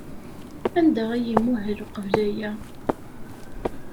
Anda ay imuhel uqbel aya?